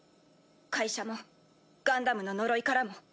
会社もガンダムの呪いからも。